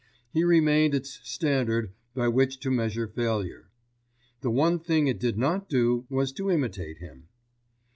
He remained its standard by which to measure failure. The one thing it did not do was to imitate him.